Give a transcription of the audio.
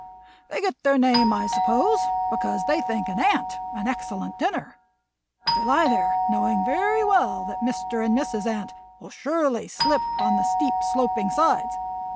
They get their name, I suppose, because they think an ant an excellent dinner. They lie there knowing very well that Mr. and Mrs. Ant will surely slip on the steep sloping sides.